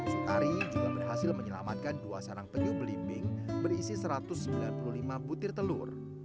sutari juga berhasil menyelamatkan dua sarang penyu belimbing berisi satu ratus sembilan puluh lima butir telur